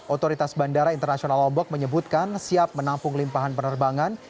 otoritas bandara internasional lombok menyebutkan siap menampung limpahan penerbangan